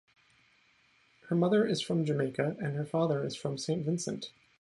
Her mother is from Jamaica and her father is from Saint Vincent.